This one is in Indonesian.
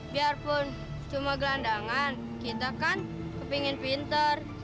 biarpun cuma gelandangan kita kan kepengen pintar